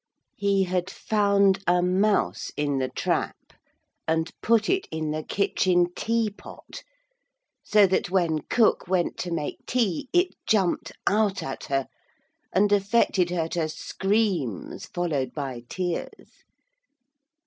He had found a mouse in the trap and put it in the kitchen tea pot, so that when cook went to make tea it jumped out at her, and affected her to screams followed by tears.